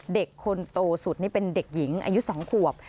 เด็กคนโตสุดนี่เป็นเด็กหญิงอายุ๒ขวบ